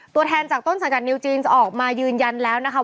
ตัวแทนจากต้นสังกัดนิวจีนจะออกมายืนยันแล้วนะคะ